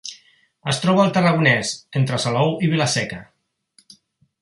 Es troba al Tarragonès, entre Salou i Vila-seca.